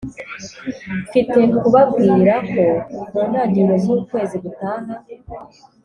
mfite kubabwirako muntangiro z’ukwezi gutaha